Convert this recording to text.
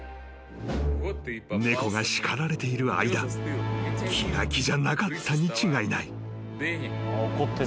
［猫が叱られている間気が気じゃなかったに違いない］